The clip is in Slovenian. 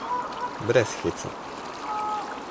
Brez heca.